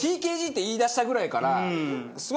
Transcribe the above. ＴＫＧって言い出したぐらいから。